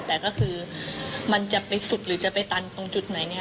แต่ก็คือมันจะไปสุดหรือจะไปตันตรงจุดไหนเนี่ย